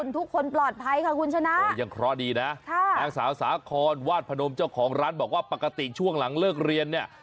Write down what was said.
พูดด้วยแล้วเป็นยังไงบ้างเหรอเนี่ย